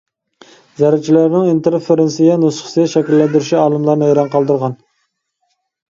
زەررىچىلەرنىڭ ئىنتېرفېرىنسىيە نۇسخىسى شەكىللەندۈرۈشى ئالىملارنى ھەيران قالدۇرغان.